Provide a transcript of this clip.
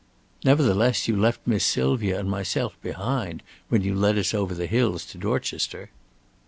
"Nevertheless, you left Miss Sylvia and myself behind when you led us over the hills to Dorchester."